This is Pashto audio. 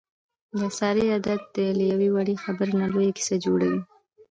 د سارې عادت دی له یوې وړې خبرې نه لویه کیسه جوړوي.